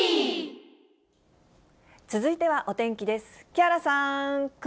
続いてはお天気です。